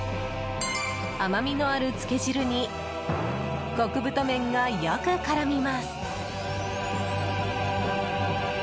甘みのあるつけ汁に極太麺がよく絡みます。